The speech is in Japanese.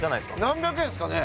何百円っすかね？